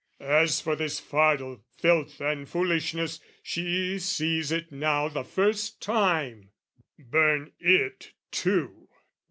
"As for this fardel, filth, and foolishness, "She sees it now the first time: burn it too!